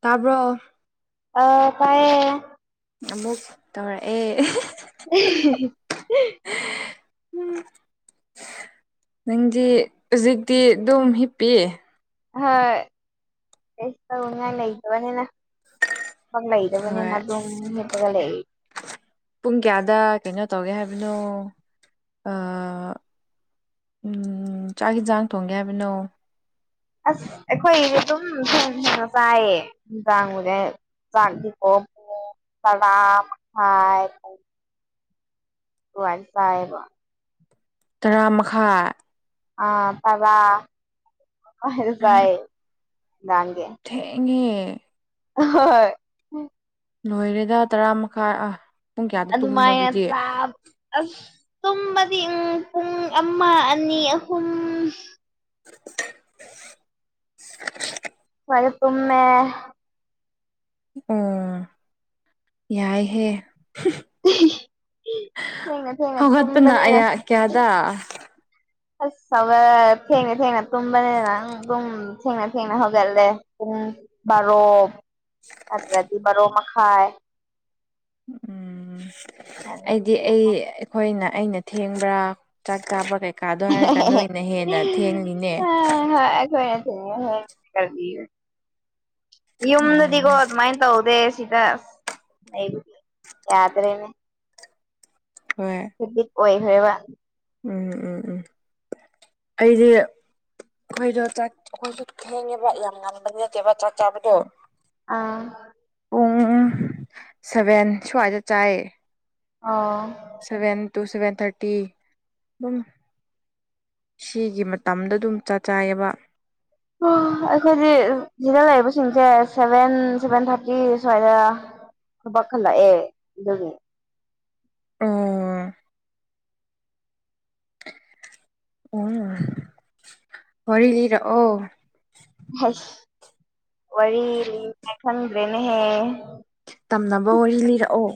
ꯇꯥꯕ꯭ꯔꯣ ꯑꯧ ꯇꯥꯏꯌꯦ ꯑꯃꯨꯛ ꯇꯧꯔꯛꯑꯦ [unintelligible] [unintelligible] [unintelligible] ꯅꯪꯗꯤ ꯍꯧꯖꯤꯛꯇꯤ ꯗꯨꯝ ꯍꯤꯞꯄꯤ ꯍꯣꯏ ꯀꯩꯁꯨ ꯇꯧꯅꯤꯡꯉꯥꯏ ꯂꯩꯇꯕꯅꯤꯅ ꯐꯛ ꯂꯩꯇꯕꯅꯤꯅ ꯍꯣꯏ ꯑꯗꯨꯝ ꯍꯤꯞꯄꯒ ꯂꯩ ꯄꯨꯡ ꯀꯌꯥꯗ ꯀꯩꯅꫭ ꯇꯧꯒꯦ ꯍꯥꯏꯕꯅꯣ ꯑ ꯎꯝ ꯆꯥꯛ ꯍꯤꯟꯖꯥꯡ ꯊꯣꯡꯒꯦ ꯍꯥꯏꯕꯅꯣ ꯑꯁ ꯑꯩꯈꯣꯏꯗꯤ ꯑꯗꯨꯝ [unintelligible] ꯆꯥꯏꯌꯦ ꯅꯨꯡꯗꯥꯡꯕꯨ ꯍꯦꯛ [unintelligible] ꯇꯔꯥ ꯃꯈꯥꯢ ꯗꯨꯃꯥꯢ ꯆꯥꯢꯌꯦꯕ ꯇꯔꯥ ꯃꯈꯥꯏ ꯑ ꯇꯔꯥ [unintelligible] ꯆꯥꯏꯌꯦ ꯅꯨꯡꯗꯥꯡꯒꯤ ꯊꯦꯡꯉꯦ ꯑꯥꯍꯣꯏ ꯂꯣꯏꯔꯦꯗ ꯇꯔꯥ ꯃꯈꯥꯏ ꯑꯥ ꯄꯨꯡ ꯀꯌꯥꯗ ꯇꯨꯝꯕꯅꯣ ꯑꯗꯨꯃꯥꯏꯅ ꯑꯗꯨꯗꯤ ꯆꯥꯞ ꯑꯁ ꯇꯨꯝꯕꯗꯤ ꯎꯝ ꯄꯨꯡ ꯑꯃ ꯑꯅꯤ ꯑꯍꯨꯝ [unintelligible] ꯁ꯭ꯋꯥꯏꯗ ꯇꯨꯝꯃꯦ ꯎꯪ ꯌꯥꯏꯍꯦ ꯍꯨꯍ ꯊꯦꯡꯅ ꯊꯦꯡꯅ ꯍꯥ ꯍꯧꯒꯠꯄꯅ ꯇꯨꯝꯕꯅꯤꯅ ꯑꯌꯥ ꯀꯌꯥꯗ ꯑꯁ ꯍꯧꯒꯠ ꯊꯦꯡꯅ ꯊꯦꯡꯅ ꯇꯨꯝꯕꯅꯤꯅ ꯑꯪ ꯑꯗꯨꯝ ꯊꯦꯡꯅ ꯊꯦꯡꯅ ꯍꯧꯒꯠꯂꯦ ꯄꯨꯡ ꯕꯥꯔꯣ ꯅꯠꯇ꯭ꯔꯗꯤ ꯕꯥꯔꯣ ꯃꯈꯥꯏ ꯎꯝ ꯑꯩ ꯗꯤ ꯑꯩ ꯑꯩꯈꯣꯏꯅ ꯑꯩꯅ ꯊꯦꯡꯕ꯭ꯔꯥ ꯆꯥꯛ ꯀꯥꯕ ꯀꯩ ꯑꯦꯍꯦ ꯍꯦ ꯍꯦ ꯑ ꯍꯣꯏ ꯑꯩꯈꯣꯏꯅ [unintelligible] ꯎꯝ ꯌꯨꯝꯗꯗꯤꯒꯣ ꯑꯗꯨꯃꯥꯏꯟ ꯇꯧꯗꯦ ꯁꯤꯗ ꯑꯥꯁ ꯂꯩꯕꯒꯤ ꯌꯥꯗ꯭ꯔꯦꯅꯦ ꯍꯣꯏ ꯍꯦꯕꯤꯠ ꯑꯣꯏꯈ꯭ꯔꯦꯕ ꯎꯝ ꯎꯝ ꯎꯝ ꯑꯩꯗꯤ ꯑꯩꯈꯣꯏꯗꯣ ꯆꯥꯛ ꯑꯩꯈꯣꯏꯁꯨ ꯊꯦꯡꯉꯦꯕ ꯌꯥꯝ ꯉꯟꯕꯗꯤ ꯅꯠꯇꯦꯕ ꯆꯥꯛ ꯆꯥꯕꯗꯣ ꯑꯥ ꯄꯨꯡ ꯁꯚꯦꯟ ꯁ꯭ꯋꯥꯏꯗ ꯆꯥꯏꯌꯦ ꯑꯣ ꯁꯚꯦꯟ ꯇꯨ ꯁꯚꯦꯟ ꯊꯥꯔꯇꯤ ꯗꯨꯝ ꯁꯤꯒꯤ ꯃꯇꯝꯗ ꯑꯗꯨꯝ ꯆꯥ ꯆꯥꯏꯑꯦꯕ ꯑꯣ ꯑꯩꯈꯣꯏꯗꯤ ꯁꯤꯗ ꯂꯩꯕꯁꯤꯡꯁꯦ ꯁꯚꯦꯟ ꯁꯚꯦꯟ ꯊꯥꯔꯇꯤ ꯁ꯭ꯋꯥꯏꯗ ꯊꯕꯛ ꯈꯜꯂꯛꯑꯦ ꯑꯗꯨꯒꯤ ꯑꯣ [unintelligible] ꯋꯥꯔꯤ ꯂꯤꯔꯛꯑꯣ ꯍꯩꯁ ꯋꯥꯔꯤ ꯂꯤ [unintelligible] ꯈꯪꯗ꯭ꯔꯦꯅꯦꯍꯦ ꯇꯝꯅꯕ ꯋꯥꯔꯤ ꯂꯤꯔꯛꯑꯣ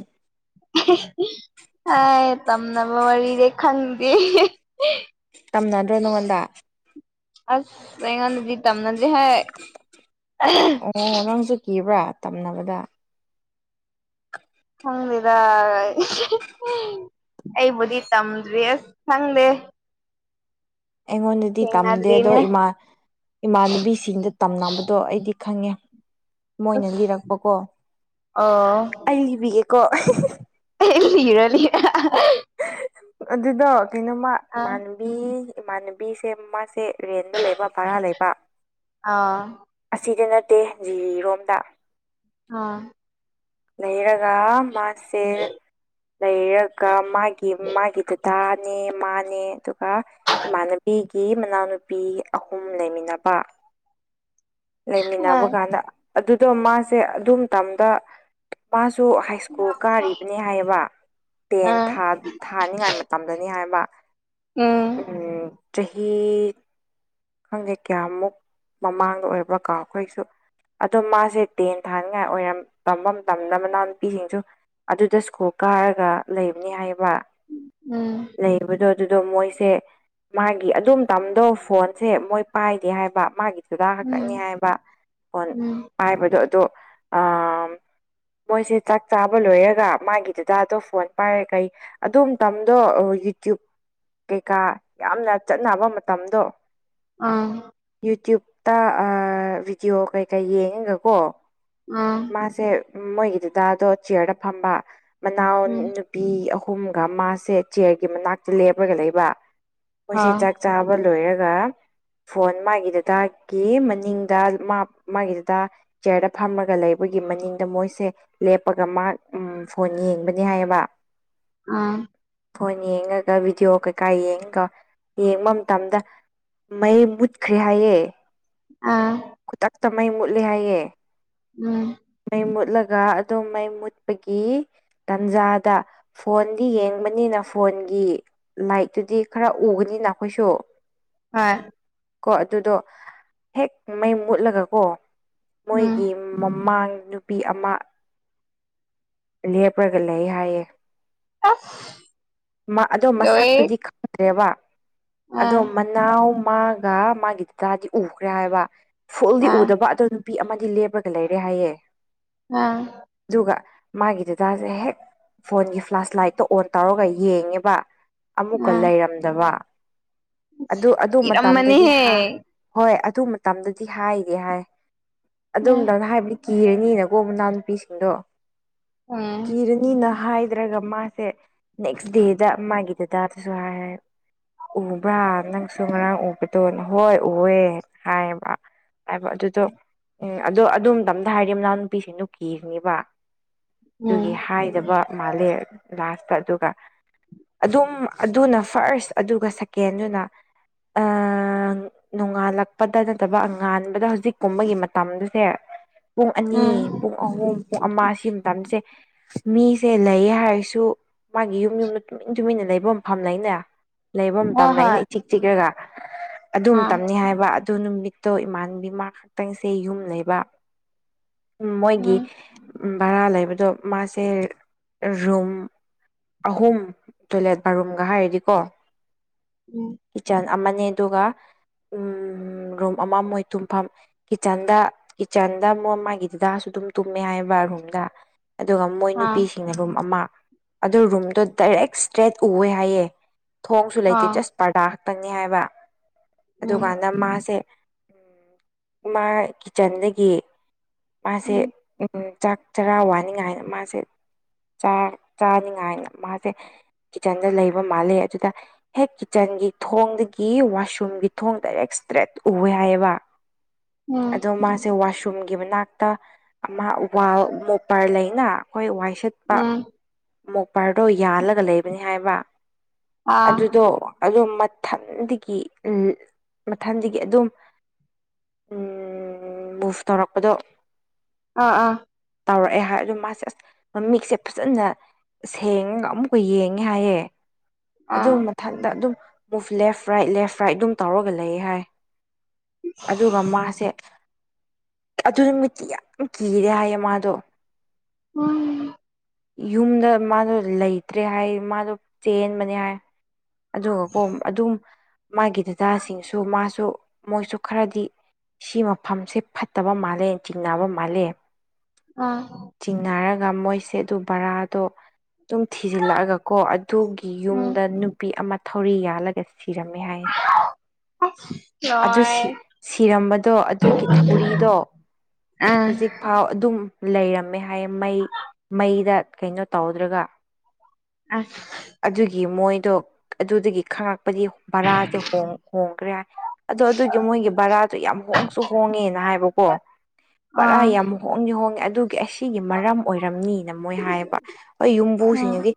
ꯑꯍꯥ ꯑꯥ ꯇꯝꯅꯕ ꯋꯥꯔꯤꯗꯤ ꯈꯪꯗꯦ ꯍꯥ ꯇꯝꯅꯗ꯭ꯔ ꯅꯉꯣꯟꯗ ꯑꯁ ꯑꯩꯉꯣꯟꯗꯗꯤ ꯇꯝꯅꯗꯦ ꯍꯦ ꯑꯣ ꯅꯪꯖꯨ ꯀꯤꯕ꯭ꯔꯥ ꯇꯝꯅꯕꯗ ꯈꯪꯗꯦꯗ ꯑꯍꯤ ꯑꯩꯕꯨꯗꯤ ꯇꯝꯗ꯭ꯔꯤ ꯑꯁ ꯈꯪꯗꯦ ꯑꯩꯉꯣꯟꯗꯗꯤ ꯇꯝꯗꯦ ꯑꯗꯣ ꯊꯦꯡꯅꯗ꯭ꯔꯤꯅꯦ ꯏꯃꯥ ꯏꯃꯥꯟꯅꯕꯤꯁꯤꯡꯗ ꯇꯝꯅꯕꯗꯣ ꯑꯩꯗꯤ ꯈꯪꯉꯦ ꯃꯣꯏꯅ ꯑꯁ ꯂꯤꯔꯛꯄꯀꯣ ꯑꯣ ꯑꯩ ꯂꯤꯕꯤꯒꯦꯀꯣ ꯑꯦ ꯂꯤꯔꯣ ꯂꯤꯔꯣ ꯑꯍꯥꯍꯥ ꯑꯗꯨꯗꯣ ꯀꯩꯅꯣꯃ ꯑ ꯏꯃꯥꯟꯅꯕꯤ ꯏꯃꯥꯟꯅꯕꯤꯁꯦ ꯃꯥꯁꯦ ꯔꯦꯟꯗ ꯂꯩꯕ ꯕꯔꯥ ꯂꯩꯕ ꯑꯥ ꯑꯁꯤꯗ ꯅꯠꯇꯦ ꯖꯤꯔꯤꯔꯣꯝꯗ ꯑꯥ ꯂꯩꯔꯒ ꯃꯥꯁꯦ ꯂꯩꯔꯒ ꯃꯥꯒꯤ ꯃꯥꯒꯤ ꯗꯥꯗꯥꯅꯦ ꯃꯥꯅꯦ ꯑꯗꯨꯒ ꯏꯃꯥꯟꯅꯕꯤꯒꯤ ꯃꯅꯥꯎꯅꯨꯄꯤ ꯑꯍꯨꯝ ꯂꯩꯃꯤꯟꯅꯕ ꯑꯥ ꯂꯩꯃꯤꯟꯅꯕ ꯀꯥꯟꯗ ꯑꯗꯨꯗꯣ ꯃꯥꯁꯦ ꯑꯗꯨ ꯃꯇꯝꯗ ꯃꯥꯁꯨ ꯍꯥꯏꯁ꯭ꯀꯨꯜ ꯀꯥꯔꯤꯕꯅꯤ ꯍꯥꯏꯌꯦꯕ ꯇꯦꯟ ꯑꯥ ꯊꯥ ꯊꯥꯅꯤꯉꯥꯏ ꯃꯇꯝꯗꯅꯤ ꯍꯥꯏꯕ ꯎꯝ ꯎꯝ ꯆꯍꯤ ꯈꯪꯗꯦ ꯀꯌꯥꯃꯨꯛ ꯃꯃꯥꯡꯗ ꯑꯣꯏꯕ꯭ꯔꯥ ꯀꯥꯎꯈ꯭ꯔꯦ ꯑꯩꯁꯨ ꯑꯗꯣ ꯃꯥꯁꯦ ꯇꯦꯟ ꯊꯥꯅꯤꯡꯉꯥꯏ ꯑꯣꯏꯔꯝ ꯇꯝꯕ ꯃꯇꯝꯗ ꯃꯅꯥꯎ ꯅꯨꯄꯤꯁꯤꯡꯁꯨ ꯑꯗꯨꯗ ꯏꯁꯀꯨꯜ ꯀꯥꯔꯒ ꯂꯩꯕꯅꯦ ꯍꯥꯏꯕ ꯎꯝ ꯂꯩꯕꯗꯣ ꯑꯗꯨꯗꯣ ꯃꯣꯏꯁꯦ ꯃꯥꯒꯤ ꯑꯗꯨꯝ ꯃꯇꯝꯗꯣ ꯐꯣꯟ ꯁꯦ ꯃꯣꯏ ꯄꯥꯏꯗꯦ ꯍꯥꯏꯕ ꯃꯥꯒꯤ ꯗꯥꯥꯗꯥ ꯎꯝ ꯈꯛꯇꯪꯅꯦ ꯍꯥꯏꯕ ꯐꯣꯟ ꯎꯝ ꯄꯥꯏꯕꯗꯣ ꯑꯗꯨ ꯑꯥ ꯃꯣꯏꯁꯦ ꯆꯥꯛ ꯆꯥꯕ ꯂꯣꯏꯔꯒ ꯃꯥꯒꯤ ꯗꯥꯗꯥꯗꯣ ꯐꯣꯟ ꯄꯥꯏꯔ ꯀꯩ ꯑꯗꯨ ꯃꯇꯝꯗꯣ ꯌꯨꯇꯨꯞ ꯀꯩꯀꯥ ꯌꯥꯝꯅ ꯆꯠꯅꯕ ꯃꯇꯝꯗꯣ ꯑꯝ ꯌꯨꯇ꯭ꯨꯞꯇ ꯑꯥ ꯕꯤꯗꯤꯌꯣ ꯀꯩ ꯀꯩ ꯌꯦꯡꯉꯒꯀꯣ ꯑꯝ ꯃꯥꯁꯦ ꯃꯣꯏꯒꯤ ꯗꯥꯗꯥꯗꯣ ꯆꯤꯌ꯭ꯔꯗ ꯐꯝꯕ ꯃꯅꯥꯎ ꯅꯨ ꯎꯝ ꯅꯨꯄꯤ ꯑꯍꯨꯝꯒ ꯃꯥꯁꯦ ꯆꯤꯌ꯭ꯔꯒꯤ ꯃꯅꯥꯛꯇ ꯂꯦꯞꯔꯒ ꯂꯩꯕ ꯃꯣꯏꯖꯦ ꯑꯥ ꯆꯥꯛ ꯆꯥꯕ ꯂꯣꯏꯔꯒ ꯐꯣꯟ ꯃꯥꯒꯤ ꯗꯥꯗꯥꯒꯤ ꯃꯅꯤꯡꯗ ꯃ ꯃꯥꯒꯤ ꯗꯥꯗꯥ ꯆꯤꯌ꯭ꯔꯗ ꯐꯝꯔꯒ ꯂꯩꯕꯒꯤ ꯃꯅꯤꯡꯗ ꯃꯣꯏꯁꯦ ꯂꯦꯞꯄꯒ ꯃꯥ ꯎꯝ ꯐꯣꯟ ꯌꯦꯡꯕꯅꯤ ꯍꯥꯏꯌꯦꯕ ꯑꯝ ꯐꯣꯟ ꯌꯦꯡꯉꯒ ꯕꯤꯗꯤꯌꯣ ꯀꯩꯀꯥ ꯌꯦꯡꯉꯒ ꯌꯦꯡꯕ ꯃꯇꯝꯗ ꯃꯩ ꯃꯨꯠꯈ꯭ꯔꯦ ꯍꯥꯏꯌꯦ ꯑꯝ ꯈꯨꯗꯛꯇ ꯃꯩ ꯃꯨꯠꯂꯦ ꯍꯥꯏꯌꯦ ꯎꯝ ꯃꯩ ꯃꯨꯠꯂꯒ ꯑꯗꯨ ꯃꯩ ꯃꯨꯠꯄꯒꯤ ꯇꯥꯟꯖꯥꯗ ꯐꯣꯟꯗꯤ ꯌꯦꯡꯕꯅꯤꯅ ꯐꯣꯟꯒꯤ ꯂꯥꯏꯠꯇꯨꯗꯤ ꯈꯔ ꯎꯒꯅꯤꯅ ꯑꯩꯈꯣꯏꯁꯨ ꯍꯣꯏ ꯀꯣ ꯑꯗꯨꯗꯣ ꯍꯦꯛ ꯃꯩ ꯃꯨꯠꯂꯒ ꯀꯣ ꯎꯝ ꯍꯣꯏ ꯎꯝ ꯃꯣꯏꯒꯤ ꯃꯃꯥꯡ ꯅꯨ ꯅꯨꯄꯤ ꯑꯃ ꯂꯦꯞꯔꯒ ꯂꯩ ꯍꯥꯏꯌꯦ ꯑꯁ ꯑꯗꯣ ꯂꯣꯏ ꯃꯁꯛꯇꯨꯗꯤ ꯈꯪꯗ꯭ꯔꯦꯕ ꯑꯥ ꯑꯗꯣ ꯃꯅꯥꯎ ꯃꯥꯒ ꯃꯥꯒꯤ ꯗꯥꯗꯥꯗꯤ ꯎꯒ꯭ꯔꯦ ꯍꯥꯏꯕ ꯐꯨꯜꯗꯤ ꯑꯥ ꯎꯗꯕ ꯑꯗꯨ ꯅꯨꯄꯤ ꯑꯃꯗꯤ ꯂꯦꯞꯔꯒ ꯂꯩꯔꯦ ꯍꯥꯏꯌꯦ ꯑꯝ ꯑꯗꯨꯒ ꯃꯥꯒꯤ ꯗꯗꯥꯖꯦ ꯍꯦꯛ ꯐꯣꯟꯒꯤ ꯐ꯭ꯂꯥꯁ ꯂꯥꯏꯠꯇꯣ ꯑꯣꯟ ꯇꯧꯔꯒ ꯌꯦꯡꯉꯦꯕ ꯑꯃꯨꯛꯀ ꯑꯥ ꯂꯩꯔꯝꯗꯕ ꯑꯗꯨ ꯑꯗꯨ ꯃꯇꯝꯗꯗꯤ ꯀꯤꯔꯝꯃꯅꯤꯍꯦ ꯍꯥ ꯍꯣꯏ ꯑꯗꯨ ꯃꯇꯝꯗꯗꯤ ꯍꯥꯏꯗꯦ ꯍꯥꯏ ꯎꯝ ꯑꯗꯨꯃꯇꯝ ꯍꯥꯏꯕꯗꯤ ꯀꯤꯔꯅꯤꯅꯀꯣ ꯃꯅꯥꯎꯅꯨꯄꯤꯁꯤꯡꯗꯣ ꯎꯝ ꯀꯤꯔꯅꯤꯅ ꯍꯥꯏꯗ꯭ꯔꯒ ꯃꯥꯁꯦ ꯅꯦꯛꯁ ꯗꯦꯗ ꯃꯥꯒꯤ ꯗꯗꯥꯗꯁꯨ ꯍꯥꯏ ꯎꯕ꯭ꯔꯥ ꯅꯪ ꯁꯨ ꯉꯔꯥꯡ ꯎꯕꯗꯣꯅ ꯍꯣꯏ ꯎꯋꯦ ꯍꯥꯏꯌꯦꯕ ꯍꯥꯏꯕ ꯑꯗꯨꯗꯣ ꯎꯝ ꯑꯗꯣ ꯑꯗꯨ ꯃꯇꯝꯗ ꯍꯥꯏꯔꯗꯤ ꯃꯅꯥꯎ ꯅꯨꯄꯤꯁꯤꯡꯗꯣ ꯀꯤꯔꯅꯤꯕ ꯗꯨꯒꯤ ꯎꯝ ꯍꯥꯏꯗꯕ ꯃꯥꯜꯂꯦ ꯂꯥꯁꯇ ꯑꯗꯨꯒ ꯑꯗꯨꯝ ꯑꯗꯨꯅ ꯐꯥꯔꯁ ꯑꯗꯨꯒ ꯁꯦꯀꯦꯟꯗꯨꯅ ꯑꯥ ꯅꯣ ꯅꯣꯡꯉꯥꯜꯂꯛꯄꯗ ꯅꯠꯇꯕ ꯉꯥꯟꯕꯗ ꯍꯧꯖꯤꯛꯀꯨꯝꯕꯒꯤ ꯃꯇꯝꯗꯨꯁꯦ ꯄꯨꯡ ꯑꯅꯤ ꯄꯨꯡ ꯑꯍꯨꯝ ꯄꯨꯡ ꯑꯃ ꯁꯤ ꯃꯇꯝꯁꯦ ꯃꯤꯖꯦ ꯂꯩ ꯍꯥꯏꯔꯁꯨ ꯃꯥꯒꯤ ꯌꯨꯝ ꯌꯨꯝꯗ ꯇꯨꯃꯤꯟ ꯇꯨꯃꯤꯟꯅ ꯂꯩꯕ ꯃꯐꯝ ꯂꯩꯅꯦ ꯂꯩꯕ ꯃꯇꯝ ꯍꯣꯏ ꯂꯩꯅꯦ ꯍꯣꯏ ꯏꯆꯤꯛ ꯆꯤꯛꯔꯒ ꯑꯗꯨ ꯑꯥ ꯃꯇꯝꯅꯤ ꯍꯥꯏꯕ ꯑꯗꯨ ꯅꯨꯃꯤꯠꯇꯣ ꯏꯃꯥꯟꯕꯤ ꯃꯥ ꯈꯛꯇꯪꯁꯦ ꯌꯨꯝ ꯂꯩꯕ ꯎꯝ ꯃꯣꯏꯒꯤ ꯚꯔꯥ ꯂꯩꯕꯗꯣ ꯃꯥꯁꯦ ꯔꯨꯝ ꯑꯍꯨꯝ ꯇꯣꯏꯂꯦꯠ ꯕꯥꯠꯔꯨꯝꯒ ꯍꯥꯏꯔꯗꯤꯀꯣ ꯎꯝ ꯀꯤꯆꯟ ꯑꯃꯅꯦ ꯑꯗꯨꯒ ꯎꯝ ꯔꯨꯝ ꯑꯃ ꯃꯣꯏ ꯇꯨꯝꯐꯝ ꯀꯤꯆꯟꯗ ꯀꯤꯆꯟꯗ ꯃꯣꯏ ꯃꯥꯒꯤ ꯗꯗꯥꯁꯨ ꯑꯗꯨꯝ ꯇꯨꯝꯃꯦ ꯍꯥꯏꯌꯦꯕ ꯔꯨꯝꯗ ꯑꯗꯨꯒ ꯃꯣꯏ ꯑꯥ ꯅꯨꯄꯤꯁꯤꯡꯅ ꯔꯨꯝ ꯑꯃ ꯑꯗꯨ ꯔꯨꯝꯗꯣ ꯗꯥꯏꯔꯦꯛ ꯏꯁꯇ꯭ꯔꯦꯠ ꯎꯋꯦ ꯍꯥꯏꯌꯦ ꯊꯣꯡꯁꯨ ꯂꯩꯇꯦ ꯑꯥ ꯖꯁ ꯄꯔꯗꯥ ꯈꯛꯇꯪꯅꯤ ꯍꯥꯏꯕ ꯎꯝ ꯑꯗꯨꯀꯥꯟꯗ ꯃꯥꯁꯦ ꯎꯝ ꯃꯥ ꯀꯤꯆꯟꯗꯒꯤ ꯃꯥꯁꯦ ꯎꯝ ꯎꯝ ꯆꯥꯛ ꯆꯔꯥ ꯋꯥꯅꯤꯡꯉꯥꯏꯅ ꯃꯥꯁꯦ ꯆꯥꯛ ꯆꯥꯅꯤꯡꯉꯥꯏꯅ ꯃꯥꯖꯦ ꯀꯤꯆꯟꯗ ꯂꯩꯕ ꯃꯥꯜꯂꯦ ꯑꯗꯨꯗ ꯍꯦꯛ ꯀꯤꯆꯟꯒꯤ ꯊꯣꯡꯗꯒꯤ ꯋꯥꯁꯔꯨꯝꯒꯤ ꯊꯣꯡ ꯗꯥꯏꯔꯦꯛ ꯏꯁꯇ꯭ꯔꯦꯠ ꯎꯋꯦ ꯍꯥꯏꯌꯦꯕ ꯎꯝ ꯑꯗꯣ ꯃꯥ ꯁꯦ ꯋꯥꯁꯔꯨꯝꯒꯤ ꯃꯅꯥꯛꯇ ꯑꯃ ꯋꯥꯜ ꯃꯣꯄꯔ ꯂꯩꯅ ꯑꯩꯈꯣꯏ ꯋꯥꯏꯁꯤꯠ ꯄꯥ ꯎꯝ ꯃꯣꯄꯔꯗꯣ ꯌꯥꯜꯂꯒ ꯂꯩꯕꯅꯤ ꯍꯥꯏꯌꯦꯕ ꯑꯥ ꯑꯗꯨꯗꯣ ꯑꯗꯨꯝ ꯃꯊꯟꯗꯒꯤ ꯎꯝ ꯃꯊꯟꯗꯒꯤ ꯑꯗꯨꯝ ꯎꯝ ꯃꯨꯐ ꯇꯧꯔꯛꯄꯗꯣ ꯑꯥ ꯑꯥ ꯇꯧꯔꯛꯑꯦ ꯍꯥꯏ ꯑꯗꯣ ꯃꯥꯁꯦ ꯑꯁ ꯃꯃꯤꯠꯁꯦ ꯐꯖꯅ ꯁꯦꯡꯉꯒ ꯑꯃꯨꯛꯀ ꯌꯦꯡꯉꯦ ꯍꯥꯏꯌꯦ ꯑꯥ ꯑꯗꯨꯝ ꯃꯊꯟꯗ ꯑꯗꯨꯝ move left right left right ꯑꯗꯨꯝ ꯇꯧꯔꯒ ꯂꯩ ꯍꯥꯏ ꯑꯗꯨꯒ ꯃꯥꯁꯦ ꯑꯗꯨ ꯅꯨꯃꯤꯠꯇꯤ ꯌꯥꯝ ꯀꯤꯔꯦ ꯍꯥꯏꯌꯦ ꯃꯥꯗꯣ ꯎꯨ ꯌꯨꯝꯗ ꯃꯥꯗꯣ ꯂꯩꯇ꯭ꯔꯦ ꯍꯥꯏ ꯃꯥꯗꯣ ꯆꯦꯟꯕꯅꯦ ꯍꯥꯏ ꯑꯗꯨꯒꯀꯣ ꯑꯗꯨꯝ ꯃꯥꯒꯤ ꯗꯗꯥꯁꯤꯡꯁꯨ ꯃꯥꯁꯨ ꯃꯣꯏꯁꯨ ꯈꯔꯗꯤ ꯁꯤ ꯃꯐꯝꯁꯦ ꯐꯠꯇꯕ ꯃꯥꯜꯂꯦ ꯆꯤꯡꯅꯕ ꯃꯥꯜꯂꯦ ꯑꯥ ꯆꯤꯡꯅꯔꯒ ꯃꯣꯏꯁꯦ ꯑꯗꯨ ꯕꯔꯥꯗꯣ ꯑꯗꯨꯝ ꯊꯤꯖꯤꯜꯂꯛꯑꯒ ꯀꯣ ꯑꯗꯨꯒꯤ ꯒꯤ ꯎꯝ ꯌꯨꯝꯗ ꯅꯨꯄꯤ ꯑꯃ ꯊꯧꯔꯤ ꯌꯥꯜꯂꯒ ꯁꯤꯔꯝꯃꯦ ꯍꯥꯏꯌꯦ ꯑꯗꯨ ꯂꯣꯏ ꯁꯤ ꯁꯤꯔꯝꯕꯗꯣ ꯑꯗꯨꯒꯤ ꯊꯧꯔꯤꯗꯣ ꯑꯝ ꯑꯧ ꯑꯗꯨꯝ ꯂꯩꯔꯝꯃꯦ ꯍꯥꯏꯌꯦ ꯃꯩ ꯃꯩꯗ ꯀꯩꯅꯣ ꯇꯧꯗ꯭ꯔꯒ ꯑꯁ ꯑꯗꯨꯒꯤ ꯃꯣꯏꯗꯣ ꯑꯗꯨꯗꯒꯤ ꯈꯪꯂꯛꯄꯗꯤ ꯚꯔꯥꯁꯦ ꯍꯣꯡ ꯍꯣꯡꯒ꯭ꯔꯦ ꯍꯥꯏ ꯑꯗꯣ ꯑꯗꯨꯒꯤ ꯃꯣꯏꯒꯤ ꯕꯔꯥꯗꯣ ꯌꯥꯝ ꯍꯣꯡꯁꯨ ꯍꯣꯡꯉꯦꯅ ꯍꯥꯏꯕꯀꯣ ꯕꯔꯥ ꯑꯥ ꯌꯥꯝ ꯍꯣꯡꯗꯤ ꯍꯣꯡꯉꯦ ꯑꯗꯨꯒꯤ ꯑꯁꯤꯒꯤ ꯃꯔꯝ ꯑꯣꯏꯔꯝꯅꯤꯅ ꯃꯣꯏ ꯍꯥꯏꯌꯦꯕ ꯍꯣꯏ ꯎꯝ ꯌꯨꯝꯕꯨꯁꯤꯡꯅꯗꯤ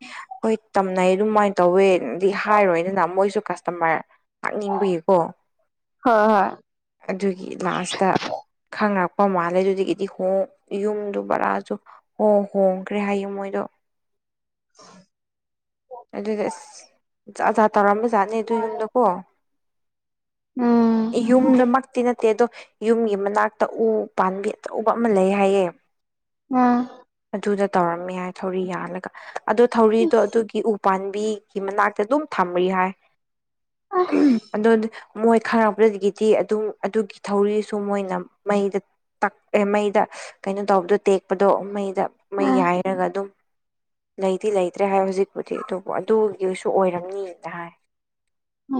ꯍꯣꯏ ꯇꯝꯅꯩ ꯑꯗꯨꯃꯥꯏꯅ ꯇꯧꯋꯦꯗꯤ ꯍꯥꯏꯔꯣꯏꯗꯅ ꯃꯣꯏꯁꯨ ꯀꯁ [unintelligible] ꯈꯪꯅꯤꯡꯕꯒꯤꯀꯣ ꯍꯣꯏ ꯍꯣꯏ ꯑꯗꯨꯒꯤ ꯂꯥꯁꯇ ꯈꯪꯅꯔꯛꯄ ꯃꯥꯜꯂꯦ ꯑꯗꯨꯗꯒꯤꯗꯤ ꯍꯣꯡ ꯌꯨꯝꯗꯣ ꯕꯔꯥꯖꯨ ꯍꯣ ꯍꯣꯡꯈ꯭ꯔꯦ ꯍꯥꯏꯌꯦ ꯃꯣꯏꯗꯣ [inaudible] ꯑꯗꯨꯗ ꯑꯁ ꯖꯥꯠ ꯖꯥꯠ ꯇꯧꯔꯝꯕ ꯖꯥꯠꯅꯦ ꯑꯗꯨꯢ ꯌꯨꯝꯗꯣ ꯀꯣ ꯎꯝ ꯌꯨꯝꯗꯃꯛꯇꯤ ꯅꯠ ꯇꯦꯗꯣ ꯌꯨꯝꯒꯤ ꯃꯅꯥꯛꯇ ꯎ ꯄꯥꯟꯕꯤ ꯑꯆꯧꯕ ꯑꯃ ꯂꯩ ꯍꯥꯏꯌꯦ ꯑꯝ ꯑꯗꯨꯗ ꯇꯧꯔꯝꯃꯦ ꯍꯥꯏ ꯊꯧꯔꯤ ꯌꯥꯜꯂꯒ ꯑꯗꯨ ꯊꯧꯔꯤꯗꯣ ꯑꯗꯨꯒꯤ ꯎ ꯄꯥꯟꯕꯤꯒꯤ ꯃꯅꯥꯛꯇ ꯑꯗꯨꯝ ꯊꯝꯔꯤ ꯍꯥꯏ ꯑꯁ ꯑꯝ ꯑꯗꯨ ꯃꯣꯏ ꯈꯪꯉꯛꯄꯗꯒꯤꯗꯤ ꯑꯗꯨꯝ ꯑꯗꯨꯒꯤ ꯊꯧꯔꯤꯁꯨ ꯃꯣꯏꯅ ꯃꯩꯗ ꯇꯛꯑꯦ ꯃꯩꯗ ꯀꯩꯅꯣ ꯇꯧꯕꯗꯣ ꯇꯦꯛꯄꯗꯣ ꯃꯩꯗ ꯃꯩ ꯎꯝ ꯌꯥꯏꯔꯒ ꯑꯗꯨꯝ ꯂꯩꯗꯤ ꯂꯩꯇ꯭ꯔꯦ ꯍꯥꯏ ꯍꯧꯖꯤꯛꯄꯨꯗꯤ ꯑꯗꯨꯕꯨ ꯑꯗꯨ ꯁꯨ ꯑꯣꯏꯔꯝꯅꯤꯅ ꯍꯥꯏ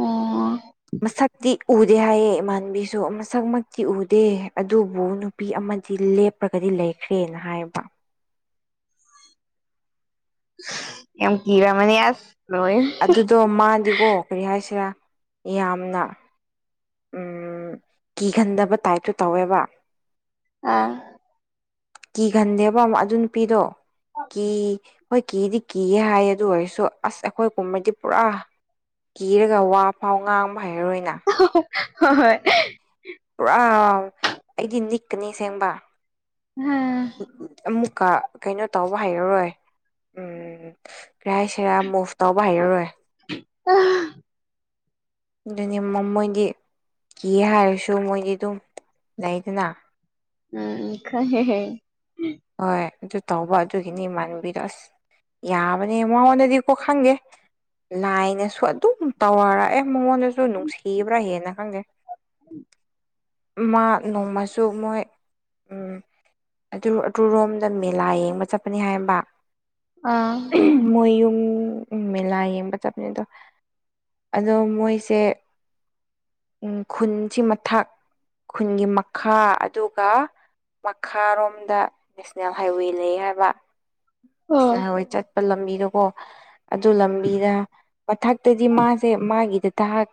ꯑꯣ ꯃꯁꯛꯇꯤ ꯎꯗꯦ ꯍꯥꯏꯌꯦ ꯏꯃꯥꯟꯕꯤꯁꯨ ꯃꯁꯛꯃꯛꯇꯤ ꯎꯗꯦ ꯑꯗꯨꯕꯨ ꯅꯨꯄꯤ ꯑꯃꯗꯤ ꯂꯦꯞ ꯂꯦꯞꯔꯒꯗꯤ ꯂꯩꯈ꯭ꯔꯦꯅ ꯍꯥꯏꯕ ꯌꯥꯝ ꯀꯤꯔꯝꯃꯅꯤ ꯑꯁ ꯂꯣꯏꯔꯦ ꯑꯗꯨꯗꯣ ꯃꯥꯗꯤꯀꯣ ꯀꯔꯤ ꯍꯥꯏꯁꯤꯔꯥ ꯌꯥꯝꯅ ꯎꯝ ꯀꯤꯒꯟꯗꯕ ꯇꯥꯏꯞꯇ ꯇꯧꯋꯦꯕ ꯑꯥ ꯀꯤꯒꯟꯗꯦꯕ ꯑꯝ ꯑꯗꯨ ꯅꯨꯄꯤꯗꯣ ꯀꯤ ꯍꯣꯏ ꯀꯤꯗꯤ ꯀꯤꯌꯦ ꯍꯥꯏꯌꯦ ꯑꯗꯨ ꯑꯣꯏꯔꯁꯨ ꯑꯁ ꯑꯩꯈꯣꯏ ꯀꯨꯝꯕꯗꯤ ꯄꯨꯔꯥ ꯀꯤꯔꯒ ꯋꯥ ꯐꯥꯎ ꯉꯥꯡꯕ ꯍꯩꯔꯔꯣꯏꯅ ꯑꯍꯣꯏ ꯍꯣꯏ ꯄꯨꯔꯥ ꯑꯩꯗꯤ ꯅꯤꯛꯀꯅꯤ ꯑꯁꯦꯡꯕ ꯍꯣꯏ ꯑꯃꯨꯛꯀ ꯀꯩꯅꯣ ꯇꯧꯕ ꯍꯩꯔꯔꯣꯏ ꯎꯝ ꯀ꯭ꯔꯤ ꯍꯥꯏꯁꯤꯔꯥ ꯃꯨꯚ ꯇꯧꯕ ꯍꯩꯔꯔꯣꯏ [unintelligible] ꯑꯗꯨꯅꯦ ꯃ ꯃꯣꯏꯗꯤ ꯀꯤꯌꯦ ꯍꯥꯏꯔꯁꯨ ꯃꯣꯏꯗꯤ ꯑꯗꯨꯝ ꯂꯩꯗꯅ ꯎꯝ ꯈꯪꯉꯦ ꯍꯣꯏ ꯑꯗꯨ ꯇꯧꯕ ꯑꯗꯨꯒꯤꯅꯦ ꯏꯃꯥꯟꯅꯕꯤꯗꯣ ꯑꯁ ꯌꯥꯕꯅꯦ ꯃꯉꯣꯟꯗꯗꯤ ꯀꯣ ꯈꯪꯗꯦ ꯂꯥꯏꯅꯁꯨ ꯑꯗꯨꯝ ꯇꯧꯔꯛꯑꯦ ꯃꯉꯣꯟꯗꯁꯨ ꯅꯨꯡꯁꯤꯕ꯭ꯔꯥ ꯍꯦꯟꯅ ꯈꯪꯗꯦ ꯃꯥ ꯅꯣꯡꯃꯁꯨ ꯃꯣꯏ ꯎꯝ ꯑꯗꯨ ꯑꯗꯨꯔꯣꯝꯗ ꯃꯦꯂꯥ ꯌꯦꯡꯕ ꯆꯠꯄꯅꯦ ꯍꯥꯏꯕ ꯑꯥ ꯃꯣꯏꯌꯨꯝ ꯃꯦꯂꯥ ꯌꯦꯡꯕ ꯆꯠꯄꯅꯦ ꯑꯗꯣ ꯑꯗꯣ ꯃꯣꯏꯁꯦ ꯎꯝ ꯈꯨꯟꯁꯤ ꯃꯊꯛ ꯈꯨꯟꯒꯤ ꯃꯈꯥ ꯑꯗꯨꯒ ꯃꯈꯥꯔꯣꯝꯗ ꯅꯦꯁꯅꯦꯜ ꯍꯥꯏꯋꯦ ꯂꯩ ꯍꯥꯏꯕ ꯏꯁ ꯑꯣ ꯑꯍꯋꯥꯏ ꯆꯠꯄ ꯂꯝꯕꯤꯗꯣꯀꯣ ꯑꯗꯨ ꯂꯝꯕꯤꯗ ꯃꯊꯛꯇꯗꯤ ꯃꯥꯁꯦ ꯃꯥꯒꯤꯗ ꯗꯥꯛ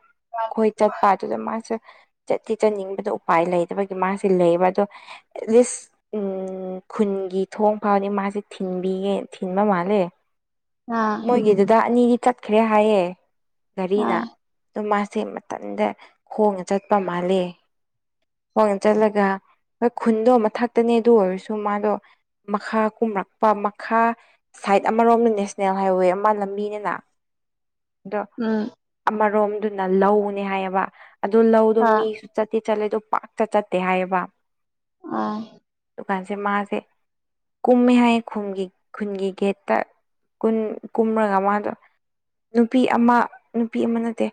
ꯈꯣꯏ ꯆꯠꯄ ꯑꯗꯨꯗ ꯃꯥꯁꯦ ꯆꯠꯇꯤ ꯆꯠꯅꯤꯡ ꯑꯗꯣ ꯎꯄꯥꯏ ꯂꯩꯇꯕꯒꯤ ꯃꯥꯁꯦ ꯂꯩꯕ ꯑꯗꯣ ꯑꯦꯠꯂꯤꯁ ꯎꯝ ꯈꯨꯟꯒꯤ ꯊꯣꯡ ꯐꯥꯎꯗꯤ ꯃꯥꯁꯦ ꯊꯤꯟꯕꯤꯌꯦ ꯊꯤꯟꯕ ꯃꯥꯜꯂꯦ ꯑꯥ ꯃꯣꯏꯒꯤ ꯗꯥꯗꯥ ꯑꯅꯤꯗꯤ ꯆꯠꯈ꯭ꯔꯦ ꯍꯥꯏꯌꯦ ꯘꯔꯤꯅ ꯑꯥ ꯑꯗꯣ ꯃꯥꯁꯦ ꯇꯟꯗ ꯈꯣꯡꯅ ꯆꯠꯄ ꯃꯥꯜꯂꯦ ꯈꯣꯡꯅ ꯆꯠꯂꯒ ꯍꯣꯏ ꯈꯨꯟꯗꯣ ꯃꯊꯛꯇꯅꯦ ꯑꯗꯨ ꯑꯣꯏꯔꯁꯨ ꯃꯥꯗꯣ ꯃꯈꯥ ꯀꯨꯝꯔꯛꯄ ꯃꯈꯥ ꯁꯥꯏꯠ ꯑꯃꯔꯣꯝꯅ ꯅꯦꯁꯅꯦꯜ ꯍꯥꯏꯋꯦ ꯑꯃ ꯂꯝꯕꯤꯅꯦꯅ ꯑꯗꯣ ꯎꯝ ꯑꯃꯔꯣꯝꯗꯨꯅ ꯂꯧꯅꯦ ꯍꯥꯏꯌꯦꯕꯥ ꯑꯗꯨ ꯂꯧꯗꯣ ꯃꯤ ꯑꯥ ꯇꯤ ꯆꯠꯂꯦꯗꯣ ꯄꯥꯛꯇ ꯆꯠꯇꯦ ꯍꯥꯏꯌꯦꯕꯥ ꯑꯥ ꯑꯗꯨꯀꯥꯟꯁꯦ ꯃꯥꯁꯦ ꯀꯨꯝꯃꯦ ꯍꯥꯏꯌꯦ ꯈꯨꯡꯒꯤ ꯈꯨꯟꯒꯤ ꯒꯦꯠꯇ ꯀꯨꯟ ꯀꯨꯝꯔꯒ ꯃꯥꯗꯣ ꯅꯨꯄꯤ ꯑꯃꯥ ꯅꯨꯄꯤ ꯑꯃ ꯅꯠꯇꯦ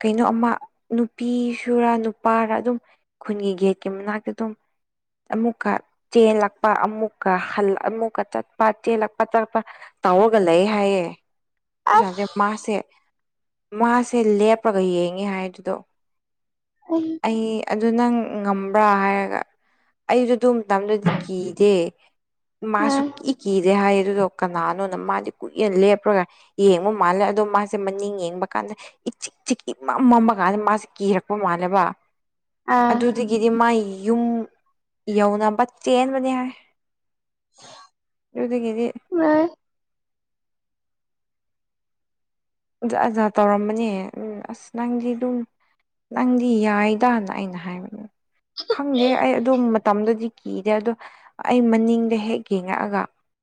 ꯀꯩꯅꯣ ꯑꯃꯥ ꯅꯨꯄꯤ ꯁꯨꯔꯥ ꯅꯨ ꯄꯥꯔ ꯑꯗꯨꯝ ꯈꯨꯟꯒꯤ ꯒꯦꯠꯀꯤ ꯃꯅꯥꯛꯇ ꯑꯗꯨꯝ ꯑꯃꯨꯛꯀ ꯆꯦꯜꯂꯛꯄ ꯑꯃꯨꯛꯀ ꯍꯜ ꯑꯃꯨꯛꯀ ꯆꯠꯄ ꯆꯦꯜꯂꯛꯄ ꯆꯠꯄ ꯇꯧꯑꯒ ꯂꯩ ꯍꯥꯏꯌꯦ ꯆꯨꯖꯥꯁꯦ ꯑꯁ ꯃꯥꯁꯦ ꯃꯥꯁꯦ ꯂꯦꯞꯔꯒ ꯌꯦꯡꯉꯦ ꯍꯥꯏꯗꯨꯗꯣ [unintelligible] ꯑꯩ ꯑꯗꯨ ꯅꯪ ꯉꯝꯕ꯭ꯔꯥ ꯍꯥꯏꯔꯒ ꯑꯩꯖꯨ ꯑꯗꯨ ꯃꯇꯝꯗꯨꯗꯤ ꯀꯤꯗꯦ ꯃꯥ ꯑꯥ ꯁꯨꯛꯀꯤ ꯀꯤꯗꯦ ꯍꯥꯏꯌꯦ ꯑꯗꯨꯗꯣ ꯀꯅꯥꯅꯣꯅ ꯃꯥꯗꯤ ꯀꯨꯏꯅ ꯂꯦꯞꯔꯒ ꯌꯦꯡꯕ ꯃꯥꯜꯂꯦ ꯑꯗꯣ ꯃꯥꯁꯦ ꯃꯅꯤꯡ ꯌꯦꯡꯕ ꯀꯥꯟꯗ ꯏꯆꯤꯛ ꯆꯤꯛ ꯏꯃꯝ ꯃꯝꯃ ꯀꯥꯟꯗ ꯃꯥꯁꯦ ꯀꯤꯔꯛꯄ ꯃꯥꯟꯂꯦꯕ ꯑꯥ ꯑꯗꯨꯗꯒꯤꯗꯤ ꯃꯥ ꯌꯨꯝ ꯌꯧꯅꯕ ꯆꯦꯟꯕꯅꯦ ꯍꯥꯏ ꯑꯗꯨꯗꯒꯤꯗꯤ ꯃꯥꯏ ꯖꯥꯠ ꯖꯥꯠ ꯇꯧꯔꯝꯕꯅꯦ ꯎꯝ ꯑꯁ ꯅꯪꯗꯤ ꯑꯗꯨꯝ ꯅꯪꯗꯤ ꯌꯥꯏꯗꯥ ꯅ ꯑꯩꯅ ꯍꯥꯏꯕ ꯈꯪꯗꯦ ꯑꯩ ꯑꯗꯨ ꯃꯇꯝꯗꯗꯤ ꯀꯤꯗꯦ ꯑꯗꯣ ꯑꯩ ꯃꯅꯤꯡꯗ ꯍꯦꯛ ꯌꯦꯡꯉꯛꯑꯒ